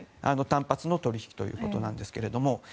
単発の取引ということなんですが。